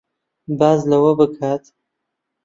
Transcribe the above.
باس لەوە بکات